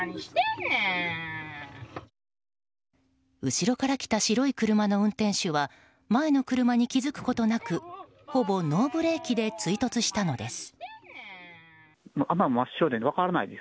後ろから来た白い車の運転手は前の車に気付くことなくほぼノーブレーキで追突したのです。